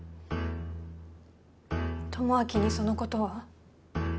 智明にそのことは。